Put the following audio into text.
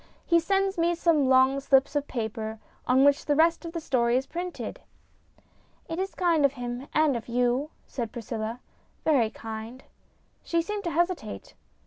He sends me some long slips of paper on which the rest of the story is printed." " It is kind of him and of you," said Priscilla, " very kind." She seemed to hesitate.